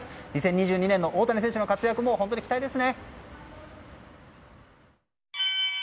２０２２年の大谷選手の活躍にも期待ですね。